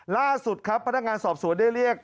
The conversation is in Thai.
ล่าสุดครับพนักงานสอบสวนได้เรียก